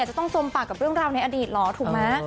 จะต้องจมปากกับเรื่องราวในอดีตเหรอถูกไหม